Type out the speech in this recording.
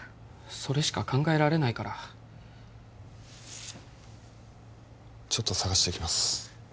それしか考えられないからちょっと捜してきます